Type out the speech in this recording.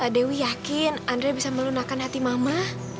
dewi yakin andre bisa melunakan hati mama